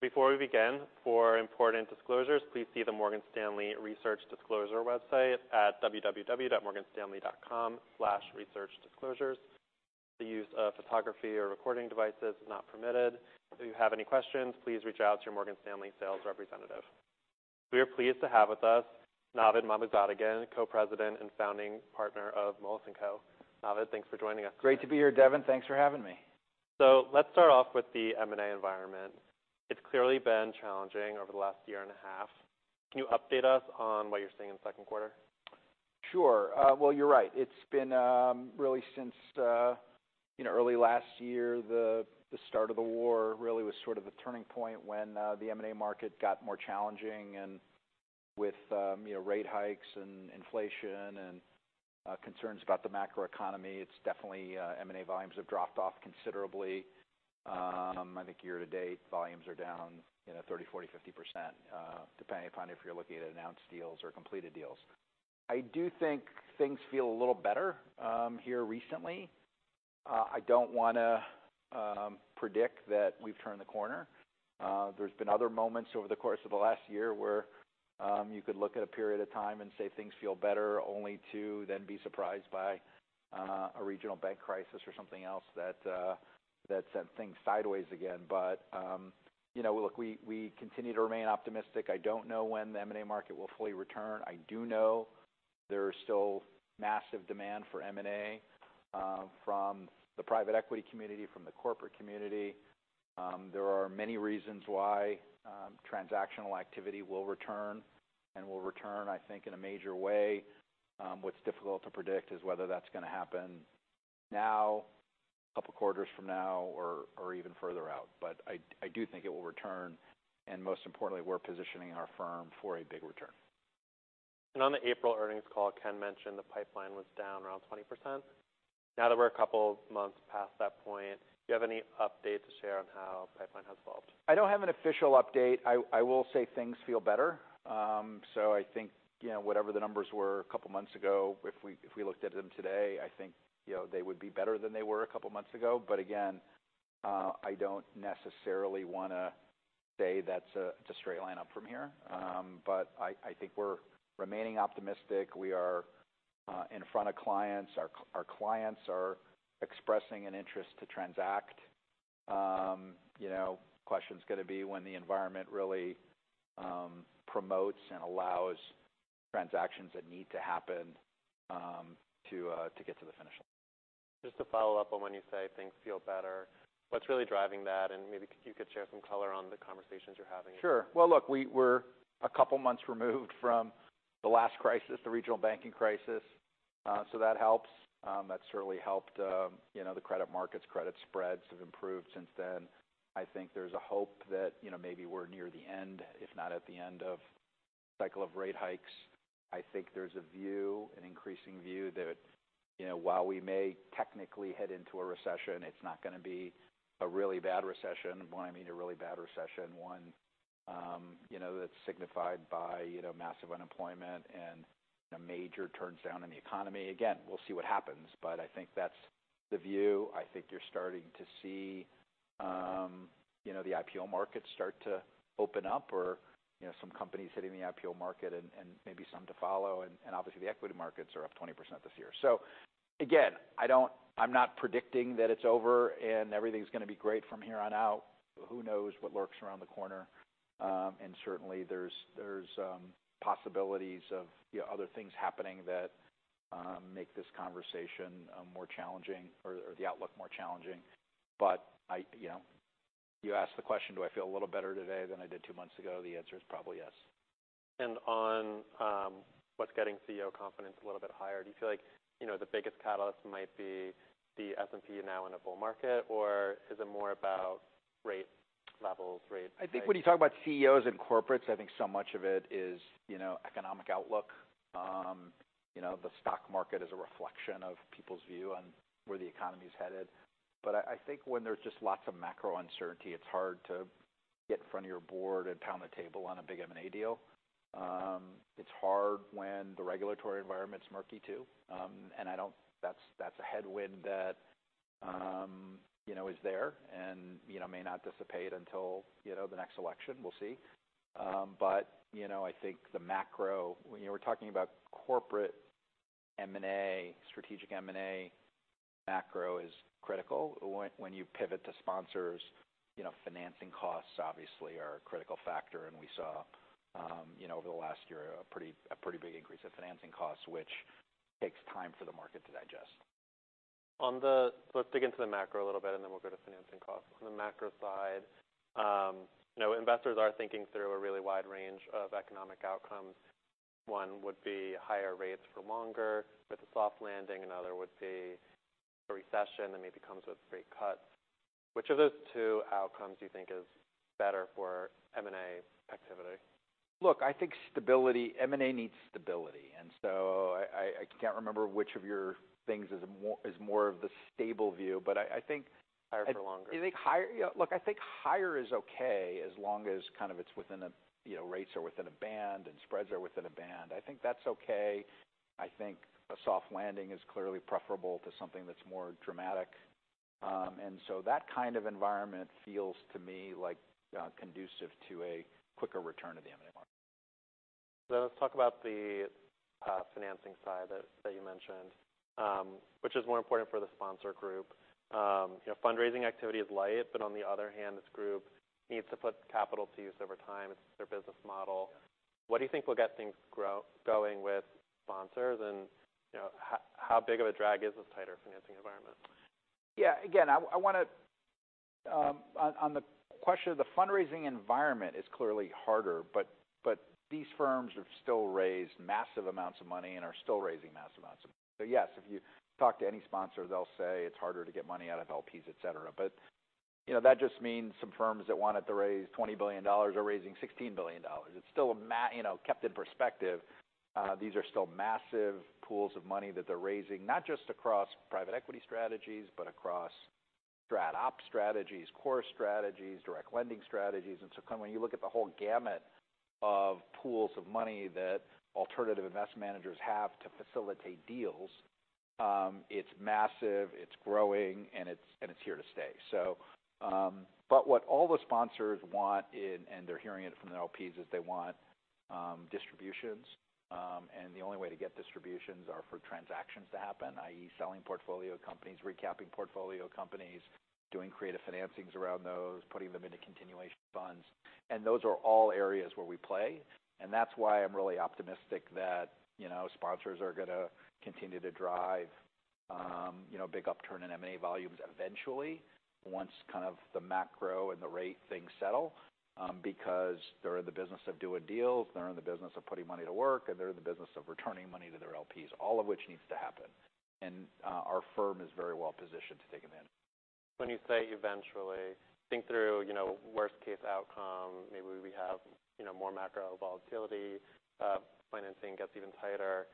Before we begin, for important disclosures, please see the Morgan Stanley Research Disclosure website at www.morganstanley.com/researchdisclosures. The use of photography or recording devices is not permitted. If you have any questions, please reach out to your Morgan Stanley sales representative. We are pleased to have with us Navid Mahmoodzadegan again, Co-President and founding partner of Moelis & Co. Navid, thanks for joining us. Great to be here, Devin. Thanks for having me. Let's start off with the M&A environment. It's clearly been challenging over the last year and a half. Can you update us on what you're seeing in the second quarter? Sure. well, you're right. It's been really since, you know, early last year, the start of the war really was sort of a turning point when the M&A market got more challenging and with, you know, rate hikes and inflation and concerns about the macroeconomy, it's definitely M&A volumes have dropped off considerably. I think year to date, volumes are down, you know, 30%, 40%, 50%, depending upon if you're looking at announced deals or completed deals. I do think things feel a little better here recently. I don't wanna predict that we've turned the corner. There's been other moments over the course of the last year where you could look at a period of time and say things feel better, only to then be surprised by a regional bank crisis or something else that sent things sideways again. You know, look, we continue to remain optimistic. I don't know when the M&A market will fully return. I do know there's still massive demand for M&A from the private equity community, from the corporate community. There are many reasons why transactional activity will return and will return, I think, in a major way. What's difficult to predict is whether that's gonna happen now, a couple of quarters from now, or even further out. I do think it will return, and most importantly, we're positioning our firm for a big return. On the April earnings call, Ken mentioned the pipeline was down around 20%. Now that we're a couple of months past that point, do you have any update to share on how pipeline has evolved? I don't have an official update. I will say things feel better. I think, you know, whatever the numbers were a couple of months ago, if we looked at them today, I think, you know, they would be better than they were a couple of months ago. But again, I don't necessarily wanna say that's a straight line up from here. But I think we're remaining optimistic. We are in front of clients. Our clients are expressing an interest to transact. You know, question's gonna be when the environment really promotes and allows transactions that need to happen to get to the finish line. Just to follow up on when you say things feel better, what's really driving that? Maybe you could share some color on the conversations you're having. Sure. Well, look, we're a couple of months removed from the last crisis, the regional banking crisis, that helps. That's certainly helped, you know, the credit markets. Credit spreads have improved since then. I think there's a hope that, you know, maybe we're near the end, if not at the end of cycle of rate hikes. I think there's a view, an increasing view that, you know, while we may technically head into a recession, it's not gonna be a really bad recession. When I mean a really bad recession, one, you know, that's signified by, you know, massive unemployment and a major turndown in the economy. Again, we'll see what happens, I think that's the view. I think you're starting to see, you know, the IPO markets start to open up or, you know, some companies hitting the IPO market and maybe some to follow, obviously, the equity markets are up 20% this year. Again, I'm not predicting that it's over and everything's gonna be great from here on out. Who knows what lurks around the corner? Certainly there's possibilities of, you know, other things happening that make this conversation more challenging or the outlook more challenging. You know, you asked the question, do I feel a little better today than I did two months ago? The answer is probably yes. On what's getting CEO confidence a little bit higher, do you feel like, you know, the biggest catalyst might be the S&P now in a bull market, or is it more about rate levels? I think when you talk about CEOs and corporates, I think so much of it is, you know, economic outlook. You know, the stock market is a reflection of people's view on where the economy is headed. I think when there's just lots of macro uncertainty, it's hard to get in front of your board and pound the table on a big M&A deal. It's hard when the regulatory environment's murky, too. That's a headwind that, you know, is there and, you know, may not dissipate until, you know, the next election. We'll see. I think the macro, when you were talking about corporate M&A, strategic M&A, macro is critical. When you pivot to sponsors, you know, financing costs obviously are a critical factor. We saw, you know, over the last year, a pretty big increase in financing costs, which takes time for the market to digest. Let's dig into the macro a little bit, then we'll go to financing costs. On the macro side, you know, investors are thinking through a really wide range of economic outcomes. One would be higher rates for longer with a soft landing, another would be a recession that maybe comes with rate cuts. Which of those two outcomes do you think is better for M&A activity? Look, I think stability, M&A needs stability. I can't remember which of your things is more of the stable view. I think. Higher for longer. You think higher? Yeah, look, I think higher is okay. as long as kind of it's within a, you know, rates are within a band and spreads are within a band, I think that's okay. I think a soft landing is clearly preferable to something that's more dramatic. That kind of environment feels to me like conducive to a quicker return to the M&A market. Let's talk about the financing side that you mentioned, which is more important for the sponsor group. You know, fundraising activity is light, but on the other hand, this group needs to put capital to use over time. It's their business model. What do you think will get things going with sponsors? You know, how big of a drag is this tighter financing environment? Yeah. Again, I wanna On the question of the fundraising environment is clearly harder, but these firms have still raised massive amounts of money and are still raising massive amounts of money. Yes, if you talk to any sponsor, they'll say it's harder to get money out of LPs, et cetera. You know, that just means some firms that wanted to raise $20 billion are raising $16 billion. It's still you know, kept in perspective, these are still massive pools of money that they're raising, not just across private equity strategies, but across strategic opportunities strategies, core strategies, direct lending strategies. When you look at the whole gamut of pools of money that alternative investment managers have to facilitate deals, it's massive, it's growing, and it's here to stay. But what all the sponsors want, and they're hearing it from their LPs, is they want distributions. And the only way to get distributions are for transactions to happen, i.e., selling portfolio companies, recapping portfolio companies, doing creative financings around those, putting them into continuation funds. Those are all areas where we play, and that's why I'm really optimistic that, you know, sponsors are gonna continue to drive, you know, big upturn in M&A volumes eventually, once kind of the macro and the rate things settle. Because they're in the business of doing deals, they're in the business of putting money to work, and they're in the business of returning money to their LPs, all of which needs to happen. Our firm is very well positioned to take advantage. When you say eventually, think through, you know, worst case outcome, maybe we have, you know, more macro volatility, financing gets even tighter.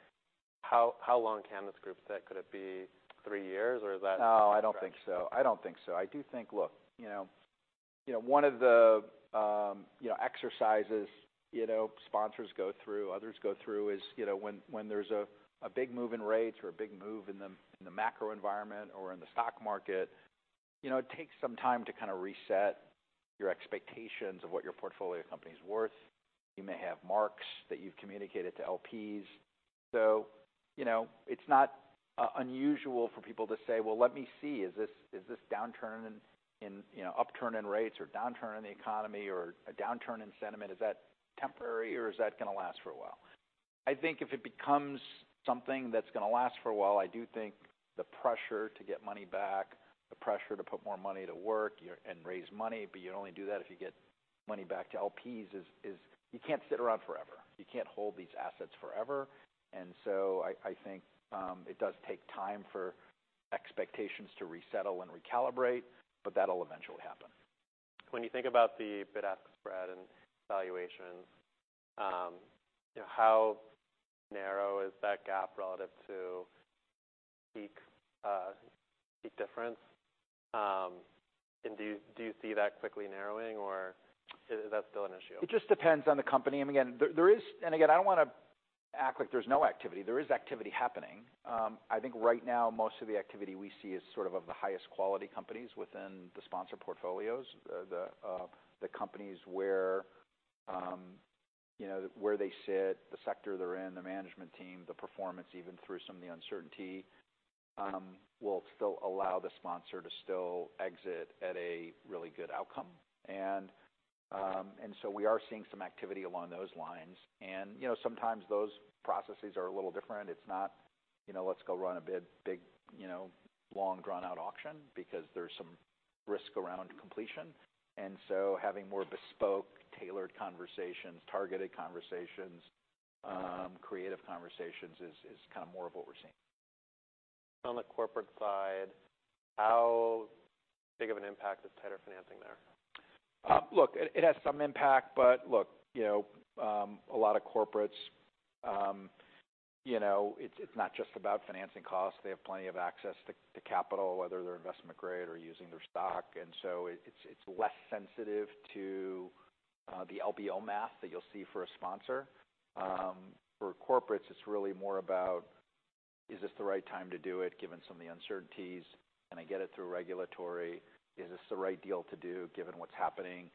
How long can this group sit? Could it be 3 years? No, I don't think so. I don't think so. I do think, Look, you know, you know, one of the, you know, exercises, you know, sponsors go through, others go through, is, you know, when there's a big move in rates or a big move in the, in the macro environment or in the stock market, you know, it takes some time to kind of reset your expectations of what your portfolio company is worth. You may have marks that you've communicated to LPs. you know, it's not unusual for people to say. Well, let me see, is this downturn in, you know, upturn in rates or downturn in the economy or a downturn in sentiment, is that temporary, or is that gonna last for a while? I think if it becomes something that's gonna last for a while, I do think the pressure to get money back, the pressure to put more money to work and raise money, but you only do that if you get money back to LPs, is. You can't sit around forever. You can't hold these assets forever. I think it does take time for expectations to resettle and recalibrate, but that'll eventually happen. When you think about the bid-ask spread and valuation, you know, how narrow is that gap relative to peak difference? Do you see that quickly narrowing, or is that still an issue? It just depends on the company. I don't wanna act like there's no activity. There is activity happening. I think right now, most of the activity we see is sort of the highest quality companies within the sponsor portfolios. The companies where, you know, where they sit, the sector they're in, the management team, the performance, even through some of the uncertainty, will still allow the sponsor to still exit at a really good outcome. We are seeing some activity along those lines. You know, sometimes those processes are a little different. It's not, you know, let's go run a big, you know, long, drawn-out auction because there's some risk around completion. Having more bespoke, tailored conversations, targeted conversations, creative conversations, is kind of more of what we're seeing. On the corporate side, how big of an impact is tighter financing there? Look, it has some impact, but look, you know, a lot of corporates, you know, it's not just about financing costs. They have plenty of access to capital, whether they're investment grade or using their stock. It, it's less sensitive to the LBO math that you'll see for a sponsor. For corporates, it's really more about, is this the right time to do it, given some of the uncertainties? Can I get it through regulatory? Is this the right deal to do, given what's happening,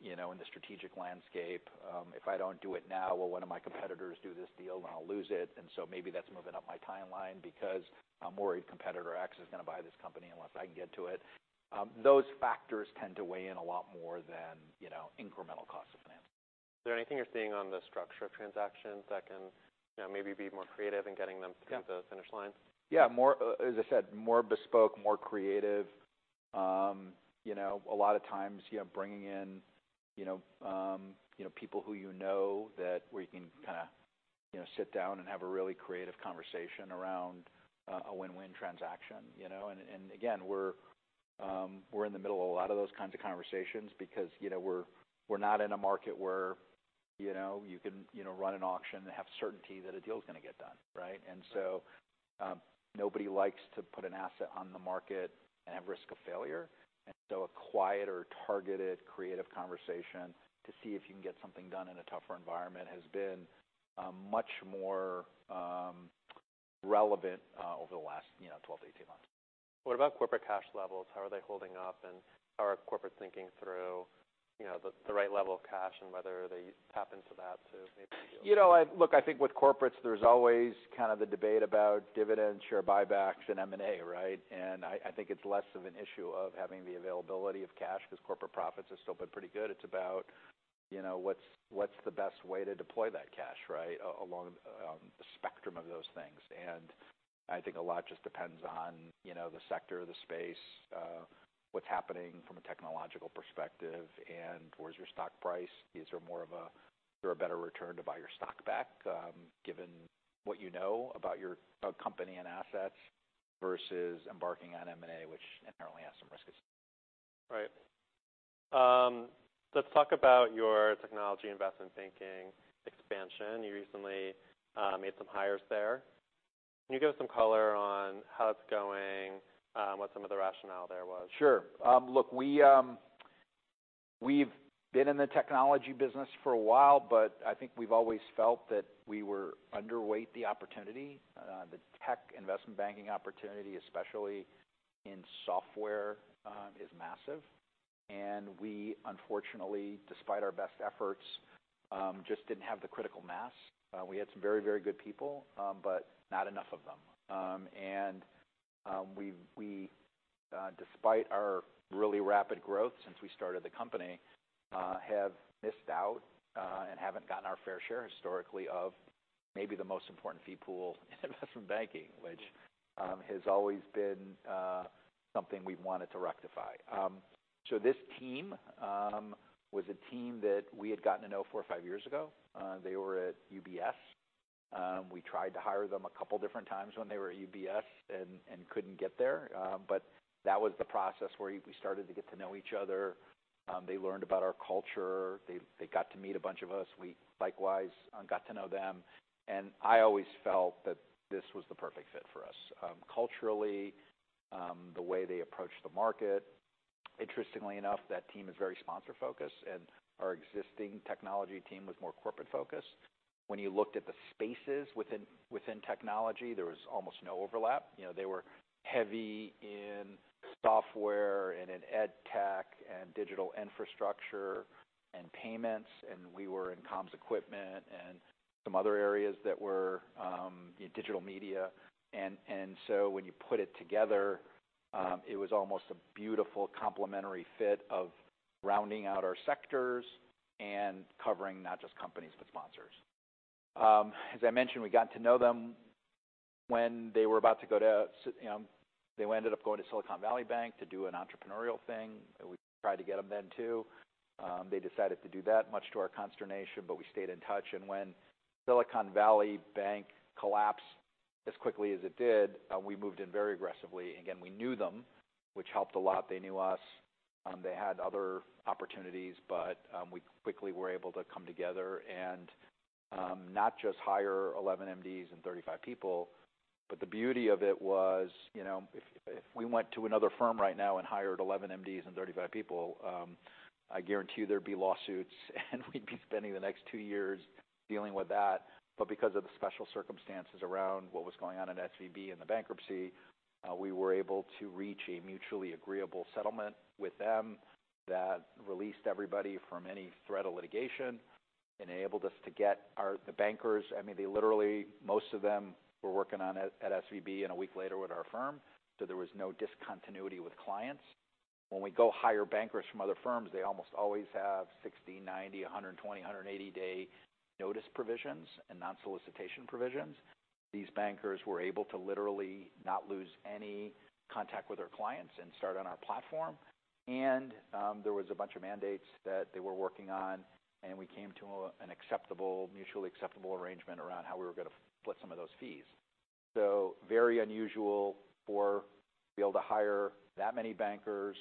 you know, in the strategic landscape? If I don't do it now, will one of my competitors do this deal and I'll lose it? Maybe that's moving up my timeline because I'm worried competitor X is gonna buy this company unless I can get to it. Those factors tend to weigh in a lot more than, you know, incremental cost of financing. Is there anything you're seeing on the structure of transactions that can, you know, maybe be more creative in getting them-? Yeah to the finish line? Yeah. More, as I said, more bespoke, more creative. You know, a lot of times, you have bringing in, you know, people who you know, that where you can kinda, you know, sit down and have a really creative conversation around a win-win transaction, you know? Again, we're in the middle of a lot of those kinds of conversations because, you know, we're not in a market where you know, you can, you know, run an auction and have certainty that a deal is going to get done, right? So, nobody likes to put an asset on the market and have risk of failure. A quiet or targeted creative conversation to see if you can get something done in a tougher environment has been much more relevant over the last, you know, 12 to 18 months. What about corporate cash levels? How are they holding up, and how are corporate thinking through, you know, the right level of cash and whether they tap into that? You know, look, I think with corporates, there's always kind of the debate about dividends, share buybacks, and M&A, right? I think it's less of an issue of having the availability of cash, because corporate profits have still been pretty good. It's about, you know, what's the best way to deploy that cash, right? Along the spectrum of those things. I think a lot just depends on, you know, the sector, the space, what's happening from a technological perspective, and where's your stock price? Is there more of a better return to buy your stock back, given what you know about your company and assets, versus embarking on M&A, which inherently has some risk as well. Right. Let's talk about your technology investment banking expansion. You recently made some hires there. Can you give us some color on how it's going, what some of the rationale there was? Sure. Look, we've been in the technology business for a while, but I think we've always felt that we were underweight the opportunity. The tech investment banking opportunity, especially in software, is massive, and we unfortunately, despite our best efforts, just didn't have the critical mass. We had some very, very good people, but not enough of them. We, despite our really rapid growth since we started the company, have missed out, and haven't gotten our fair share historically of maybe the most important fee pool in investment banking, which has always been, something we've wanted to rectify. This team, was a team that we had gotten to know four or five years ago. They were at UBS. We tried to hire them a couple different times when they were at UBS and couldn't get there. That was the process where we started to get to know each other. They learned about our culture. They got to meet a bunch of us. We likewise got to know them, and I always felt that this was the perfect fit for us. Culturally, the way they approached the market. Interestingly enough, that team is very sponsor-focused, and our existing technology team was more corporate-focused. When you looked at the spaces within technology, there was almost no overlap. You know, they were heavy in software and in edtech and digital infrastructure and payments, and we were in comms equipment and some other areas that were in digital media. When you put it together, it was almost a beautiful complementary fit of rounding out our sectors and covering not just companies, but sponsors. As I mentioned, we got to know them when they were about to go to Silicon Valley Bank to do an entrepreneurial thing. We tried to get them then, too. They decided to do that, much to our consternation, but we stayed in touch. When Silicon Valley Bank collapsed as quickly as it did, we moved in very aggressively. Again, we knew them, which helped a lot. They knew us. They had other opportunities, but we quickly were able to come together and not just hire 11 MDs and 35 people, but the beauty of it was, you know, if we went to another firm right now and hired 11 MDs and 35 people, I guarantee you there'd be lawsuits, and we'd be spending the next 2 years dealing with that. Because of the special circumstances around what was going on in SVB and the bankruptcy, we were able to reach a mutually agreeable settlement with them that released everybody from any threat of litigation, enabled us to get the bankers, I mean, they literally, most of them, were working on at SVB, and a week later, with our firm, so there was no discontinuity with clients. When we go hire bankers from other firms, they almost always have 60, 90, 120, 180-day notice provisions and non-solicitation provisions. These bankers were able to literally not lose any contact with their clients and start on our platform. There was a bunch of mandates that they were working on, and we came to a mutually acceptable arrangement around how we were going to split some of those fees. Very unusual for be able to hire that many bankers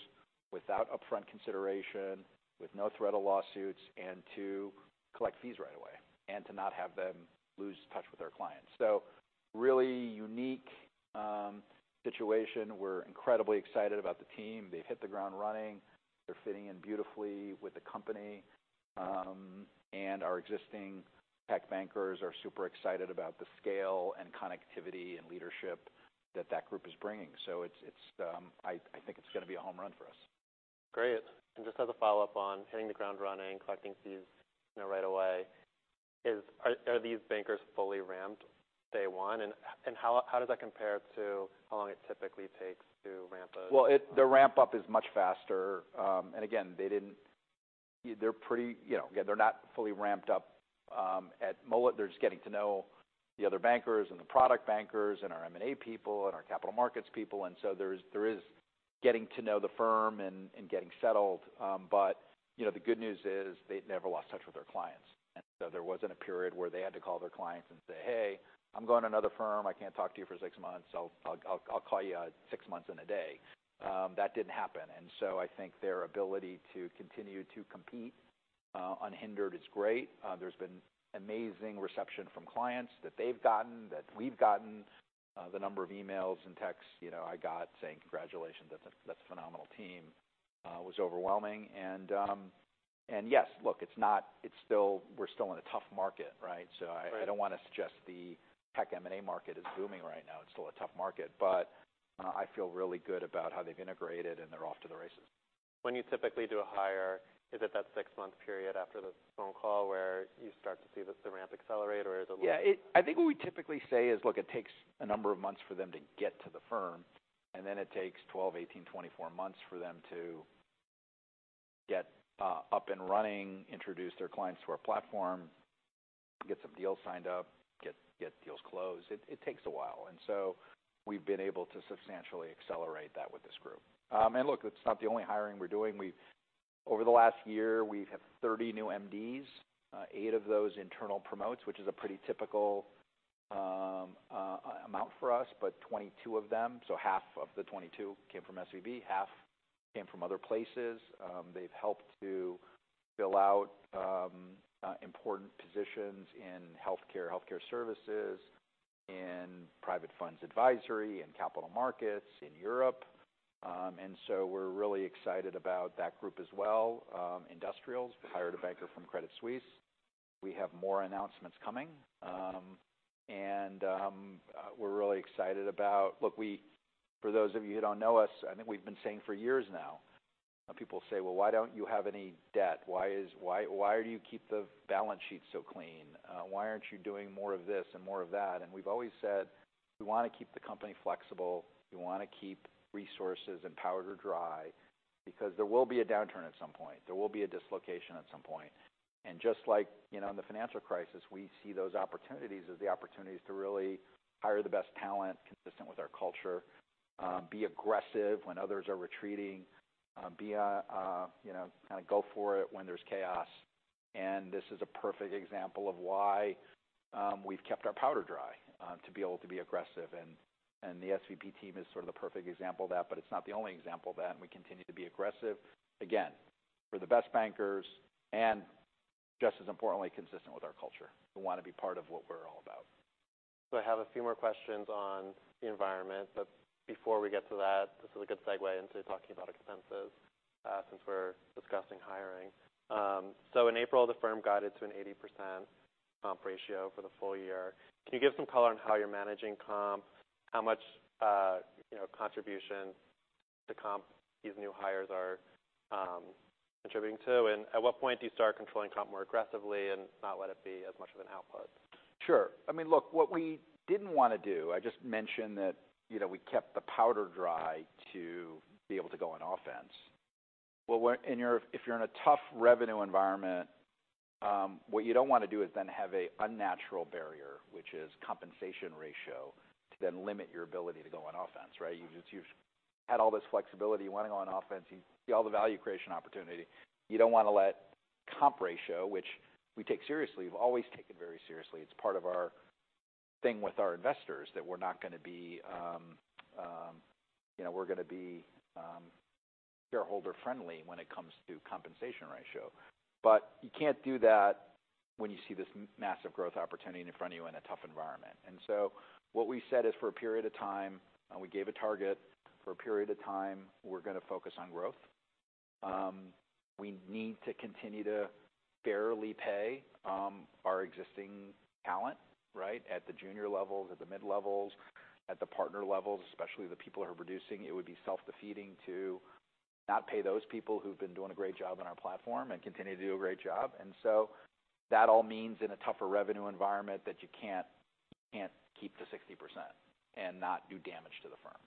without upfront consideration, with no threat of lawsuits, and to collect fees right away, and to not have them lose touch with their clients. Really unique situation. We're incredibly excited about the team. They've hit the ground running. They're fitting in beautifully with the company. Our existing tech bankers are super excited about the scale and connectivity and leadership that that group is bringing. It's, I think it's going to be a home run for us. Great. Just as a follow-up on hitting the ground running, collecting fees, you know, right away, are these bankers fully ramped day one? How does that compare to how long it typically takes to ramp up? Well, the ramp up is much faster. Again, they didn't... They're pretty, you know, yeah, they're not fully ramped up at Moelis. They're just getting to know the other bankers and the product bankers, our M&A people and our capital markets people, so there is getting to know the firm and getting settled. But, you know, the good news is, they never lost touch with their clients, so there wasn't a period where they had to call their clients and say, "Hey, I'm going to another firm. I can't talk to you for 6 months. I'll call you 6 months and a day." That didn't happen, so I think their ability to continue to compete unhindered. It's great. there's been amazing reception from clients that they've gotten, that we've gotten, the number of emails and texts, you know, I got saying, "Congratulations, that's a phenomenal team," was overwhelming. yes, look, it's not... It's still, we're still in a tough market, right? Right. I don't want to suggest the tech M&A market is booming right now. It's still a tough market, but I feel really good about how they've integrated, and they're off to the races. When you typically do a hire, is it that six-month period after the phone call where you start to see the ramp accelerate, or is it a little-? Yeah, I think what we typically say is, look, it takes a number of months for them to get to the firm, and then it takes 12, 18, 24 months for them to get up and running, introduce their clients to our platform, get some deals signed up, get deals closed. It takes a while. We've been able to substantially accelerate that with this group. Look, it's not the only hiring we're doing. Over the last year, we've had 30 new MDs, 8 of those, internal promotes, which is a pretty typical amount for us. Twenty-two of them, so half of the 22 came from SVB, half came from other places. They've helped to fill out important positions in healthcare services, in private funds advisory, in capital markets, in Europe. We're really excited about that group as well. Industrials, we hired a banker from Credit Suisse. We have more announcements coming. We're really excited about... Look, for those of you who don't know us, I think we've been saying for years now, and people say: Well, why don't you have any debt? Why, why do you keep the balance sheet so clean? Why aren't you doing more of this and more of that? We've always said: We want to keep the company flexible. We want to keep resources and powder dry because there will be a downturn at some point. There will be a dislocation at some point. Just like, you know, in the financial crisis, we see those opportunities as the opportunities to really hire the best talent consistent with our culture, be aggressive when others are retreating, be a, you know, kind of go for it when there's chaos. This is a perfect example of why we've kept our powder dry to be able to be aggressive. The SVB team is sort of the perfect example of that, but it's not the only example of that, and we continue to be aggressive. Again, we're the best bankers, and just as importantly, consistent with our culture. We want to be part of what we're all about. I have a few more questions on the environment, but before we get to that, this is a good segue into talking about expenses, since we're discussing hiring. In April, the firm guided to an 80% comp ratio for the full year. Can you give some color on how you're managing comp, how much, you know, contribution to comp these new hires are, contributing to? At what point do you start controlling comp more aggressively and not let it be as much of an output? Sure. I mean, look, what we didn't want to do. I just mentioned that, you know, we kept the powder dry to be able to go on offense. Well, if you're in a tough revenue environment, what you don't want to do is then have a unnatural barrier, which is compensation ratio, to then limit your ability to go on offense, right? You just, you've had all this flexibility. You want to go on offense, you see all the value creation opportunity. You don't want to let comp ratio, which we take seriously. We've always taken very seriously. It's part of our thing with our investors, that we're not going to be, you know, we're going to be shareholder friendly when it comes to compensation ratio. You can't do that when you see this massive growth opportunity in front of you in a tough environment. What we said is, for a period of time, and we gave a target, for a period of time, we're going to focus on growth. We need to continue to fairly pay our existing talent, right? At the junior levels, at the mid-levels, at the partner levels, especially the people who are producing. It would be self-defeating to not pay those people who've been doing a great job on our platform and continue to do a great job. That all means, in a tougher revenue environment, that you can't keep the 60% and not do damage to the firm.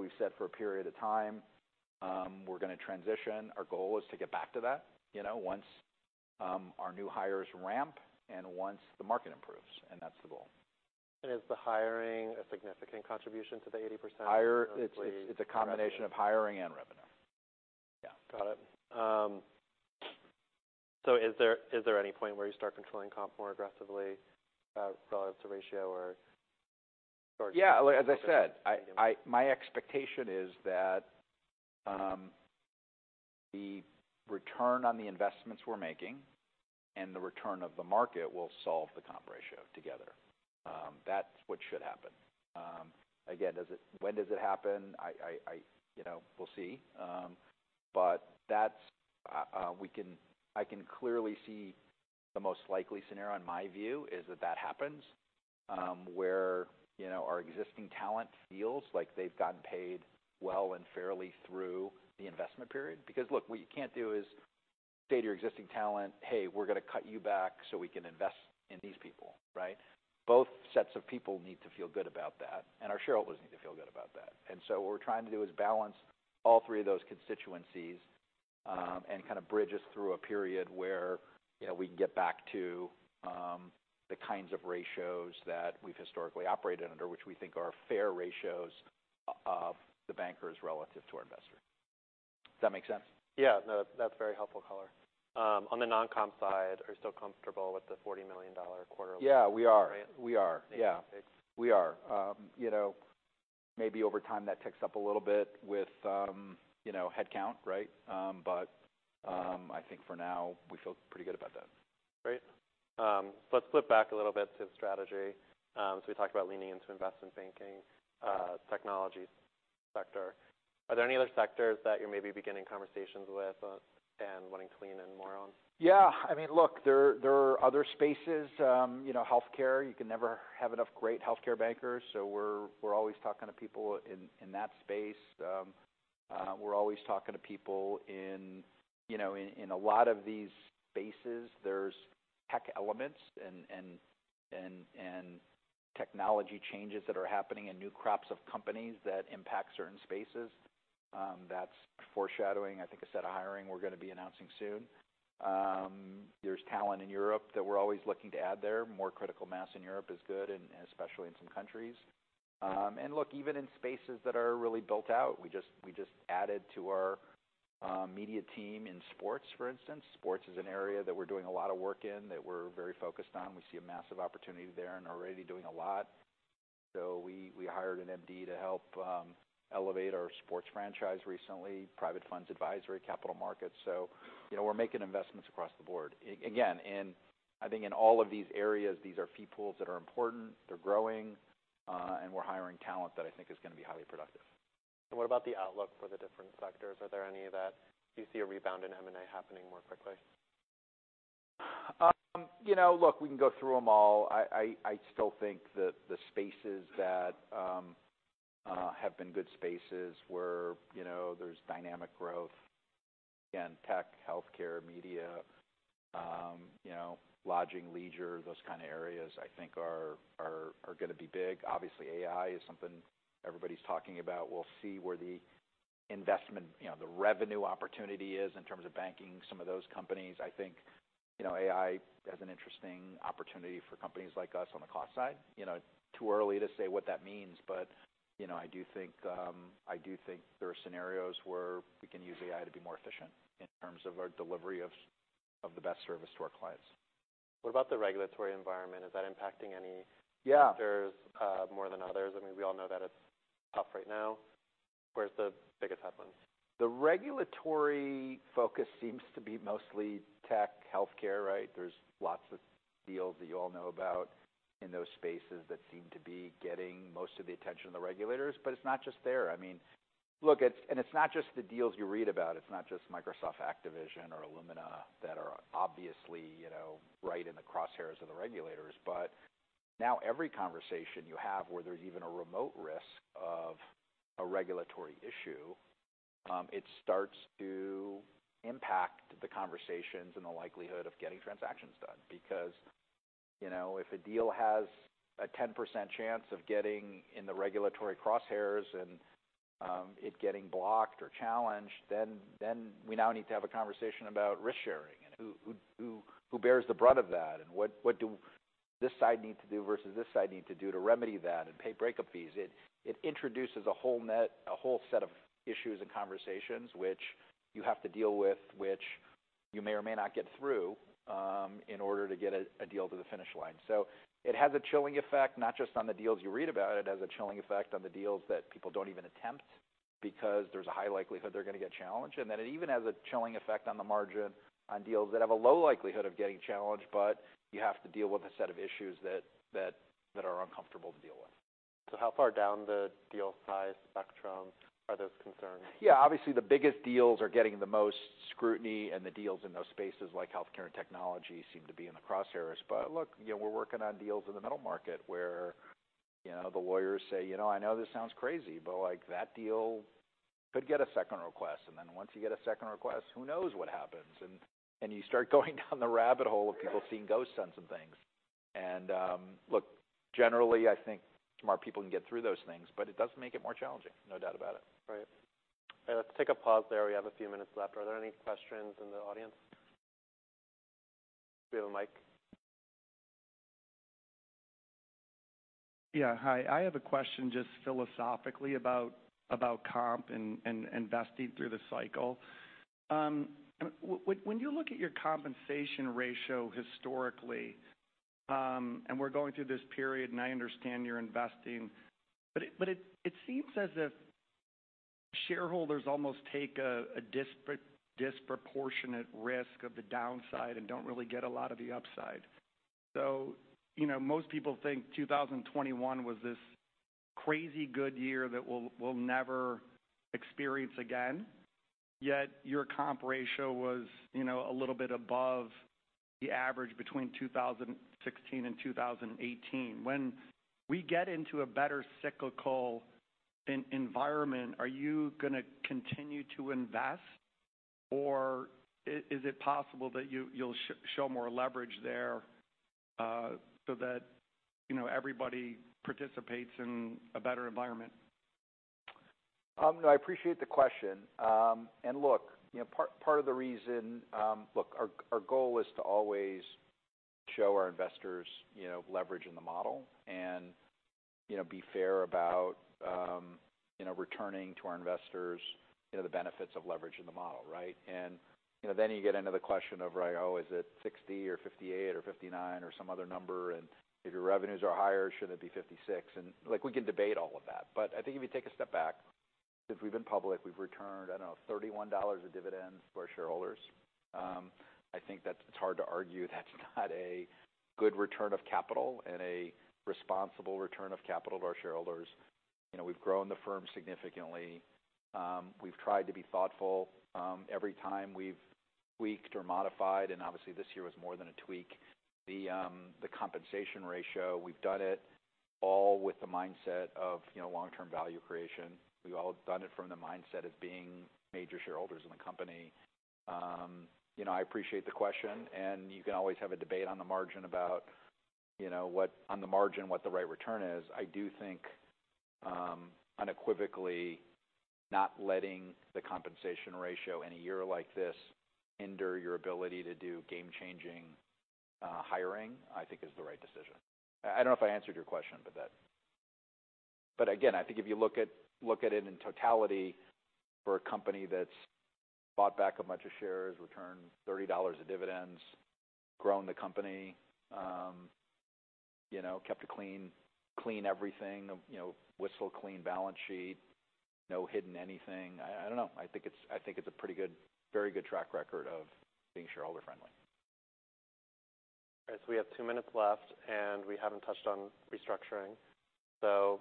We've said for a period of time, we're going to transition. Our goal is to get back to that, you know, once our new hires ramp and once the market improves, and that's the goal. Is the hiring a significant contribution to the 80%? Hiring, it's. Correct. a combination of hiring and revenue. Yeah. Got it. Is there any point where you start controlling comp more aggressively, relative to ratio? Yeah. Look, as I said, my expectation is that the return on the investments we're making and the return of the market will solve the comp ratio together. That's what should happen. Again, when does it happen? You know, we'll see. That's, I can clearly see the most likely scenario in my view is that happens, where, you know, our existing talent feels like they've gotten paid well and fairly through the investment period. Look, what you can't do is say to your existing talent, "Hey, we're going to cut you back so we can invest in these people," right? Both sets of people need to feel good about that. Our shareholders need to feel good about that. What we're trying to do is balance all three of those constituencies, and kind of bridge us through a period where, you know, we can get back to the kinds of ratios that we've historically operated under, which we think are fair ratios of the bankers relative to our investors. Does that make sense? Yeah. No, that's very helpful color. On the non-comp side, are you still comfortable with the $40 million quarterly? Yeah, we are. Right? We are. Yeah, Okay. We are. maybe over time that ticks up a little bit with, you know, headcount, right? I think for now, we feel pretty good about that. Great. Let's flip back a little bit to the strategy. We talked about leaning into investment banking, technology sector. Are there any other sectors that you're maybe beginning conversations with, and wanting to lean in more on? I mean, look, there are other spaces. You know, healthcare, you can never have enough great healthcare bankers, so we're always talking to people in that space. We're always talking to people in, you know, in a lot of these spaces, there's tech elements and technology changes that are happening and new crops of companies that impact certain spaces. That's foreshadowing, I think, a set of hiring we're going to be announcing soon. There's talent in Europe that we're always looking to add there. More critical mass in Europe is good, especially in some countries. Look, even in spaces that are really built out, we just added to our media team in sports, for instance. Sports is an area that we're doing a lot of work in, that we're very focused on. We see a massive opportunity there and are already doing a lot. We hired an MD to help elevate our sports franchise recently, Private Funds Advisory, capital markets. You know, we're making investments across the board. Again, I think in all of these areas, these are fee pools that are important, they're growing, and we're hiring talent that I think is going to be highly productive. What about the outlook for the different sectors? Are there any that you see a rebound in M&A happening more quickly? You know, look, we can go through them all. I still think that the spaces that have been good spaces where, you know, there's dynamic growth, again, tech, healthcare, media, you know, lodging, leisure, those kind of areas, I think are going to be big. Obviously, AI is something everybody's talking about. We'll see where the investment, you know, the revenue opportunity is in terms of banking. Some of those companies, I think, you know, AI has an interesting opportunity for companies like us on the cost side. You know, too early to say what that means, but, you know, I do think I do think there are scenarios where we can use AI to be more efficient in terms of our delivery of the best service to our clients. What about the regulatory environment? Is that impacting? Yeah -sectors, more than others? I mean, we all know that it's tough right now. Where's the biggest headlines? The regulatory focus seems to be mostly tech, healthcare, right? There's lots of deals that you all know about in those spaces that seem to be getting most of the attention of the regulators, but it's not just there. I mean, look, and it's not just the deals you read about. It's not just Microsoft, Activision, or Illumina that are obviously, you know, right in the crosshairs of the regulators. Now every conversation you have where there's even a remote risk of a regulatory issue, it starts to impact the conversations and the likelihood of getting transactions done. You know, if a deal has a 10% chance of getting in the regulatory crosshairs and, it getting blocked or challenged, then we now need to have a conversation about risk sharing and who bears the brunt of that, and what do this side need to do versus this side need to do to remedy that and pay breakup fees. It introduces a whole set of issues and conversations which you have to deal with, which you may or may not get through, in order to get a deal to the finish line. It has a chilling effect, not just on the deals you read about. It has a chilling effect on the deals that people don't even attempt because there's a high likelihood they're going to get challenged. It even has a chilling effect on the margin, on deals that have a low likelihood of getting challenged, but you have to deal with a set of issues that are uncomfortable to deal with. How far down the deal size spectrum are those concerns? Yeah, obviously, the biggest deals are getting the most scrutiny, and the deals in those spaces, like healthcare and technology, seem to be in the crosshairs. Look, you know, we're working on deals in the middle market where, you know, the lawyers say, "You know, I know this sounds crazy, but, like, that deal could get a Second Request. Then once you get a Second Request, who knows what happens?" You start going down the rabbit hole of people seeing ghosts on some things. Look, generally, I think smart people can get through those things, but it does make it more challenging. No doubt about it. Let's take a pause there. We have a few minutes left. Are there any questions in the audience? We have a mic. Yeah. Hi, I have a question just philosophically about comp and investing through the cycle. When you look at your compensation ratio historically, and we're going through this period, and I understand you're investing, but it seems as if shareholders almost take a disproportionate risk of the downside and don't really get a lot of the upside. You know, most people think 2021 was this crazy good year that we'll never experience again, yet your comp ratio was, you know, a little bit above the average between 2016 and 2018. When we get into a better cyclical environment, are you going to continue to invest, or is it possible that you'll show more leverage there, so that, you know, everybody participates in a better environment? I appreciate the question. Look, you know, part of the reason... Look, our goal is to always show our investors, you know, leverage in the model and, you know, be fair about, you know, returning to our investors, you know, the benefits of leverage in the model, right? You know, then you get into the question of, right, oh, is it 60 or 58 or 59 or some other number? If your revenues are higher, should it be 56? Like, we can debate all of that. I think if you take a step back, since we've been public, we've returned, I don't know, $31 of dividends to our shareholders. I think that's hard to argue that's not a good return of capital and a responsible return of capital to our shareholders. You know, we've grown the firm significantly. We've tried to be thoughtful, every time we've tweaked or modified, and obviously, this year was more than a tweak. The compensation ratio, we've done it all with the mindset of, you know, long-term value creation. We've all done it from the mindset of being major shareholders in the company. You know, I appreciate the question, and you can always have a debate on the margin about, you know, on the margin, what the right return is. I do think unequivocally not letting the compensation ratio in a year like this hinder your ability to do game-changing hiring, I think is the right decision. I don't know if I answered your question, but that again, I think if you look at, look at it in totality, for a company that's bought back a bunch of shares, returned $30 of dividends, grown the company, you know, kept a clean everything, you know, whistle-clean balance sheet, no hidden anything. I don't know. I think it's a pretty good, very good track record of being shareholder-friendly. All right, we have 2 minutes left, and we haven't touched on restructuring.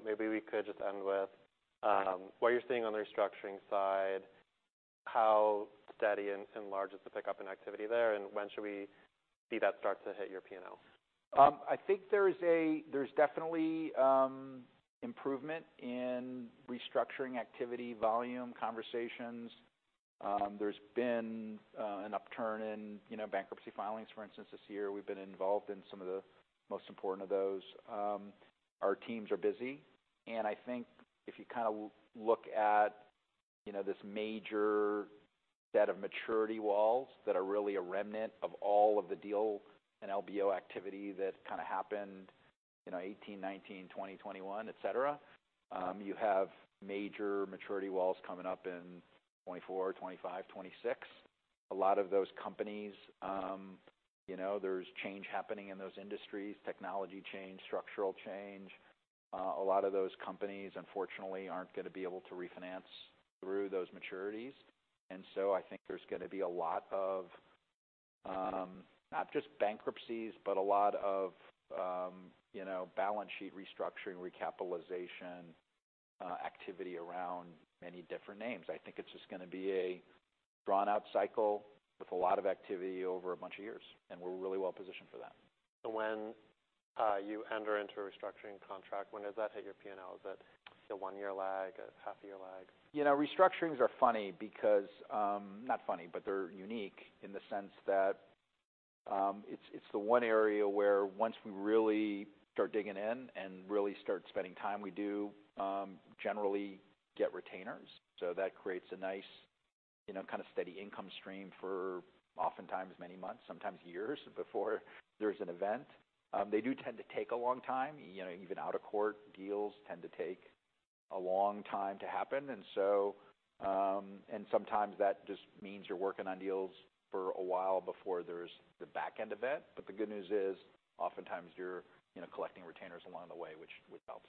Maybe we could just end with what you're seeing on the restructuring side, how steady and large is the pickup in activity there, and when should we see that start to hit your P&L? I think there's definitely improvement in restructuring activity, volume, conversations. There's been an upturn in, you know, bankruptcy filings, for instance, this year. We've been involved in some of the most important of those. Our teams are busy, and I think if you kind of look at, you know, this major set of maturity walls that are really a remnant of all of the deal and LBO activity that kind of happened in 2018, 2019, 2020, 2021, et cetera, you have major maturity walls coming up in 2024, 2025, 2026. A lot of those companies, you know, there's change happening in those industries, technology change, structural change. A lot of those companies, unfortunately, aren't going to be able to refinance through those maturities. I think there's gonna be a lot of, not just bankruptcies, but a lot of, you know, balance sheet restructuring, recapitalization, activity around many different names. I think it's just gonna be a drawn-out cycle with a lot of activity over a bunch of years, and we're really well positioned for that. When you enter into a restructuring contract, when does that hit your P&L? Is it a 1-year lag, a half-year lag? You know, restructurings are funny because, not funny, but they're unique in the sense that it's the one area where once we really start digging in and really start spending time, we do generally get retainers. That creates a nice, you know, kind of steady income stream for oftentimes many months, sometimes years, before there's an event. They do tend to take a long time. You know, even out of court, deals tend to take a long time to happen. Sometimes that just means you're working on deals for a while before there's the back-end event. The good news is, oftentimes you're, you know, collecting retainers along the way, which helps.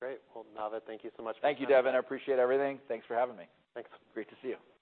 Great! Well, Navid, thank you so much for... Thank you, Devin. I appreciate everything. Thanks for having me. Thanks. Great to see you. You too.